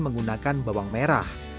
menggunakan bawang merah